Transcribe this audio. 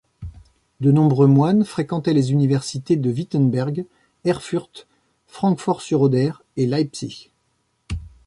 De nombreux moines fréquentaient les universités de Wittenberg, Erfurt, Francfort-sur-Oder et Leipzig.